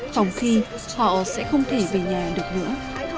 phòng khi họ sẽ không thể về nhà được nữa